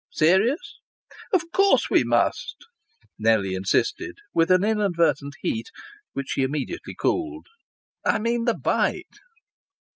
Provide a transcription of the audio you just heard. "Serious?" "Of course we must," Nellie insisted, with an inadvertent heat, which she immediately cooled. "I mean the bite."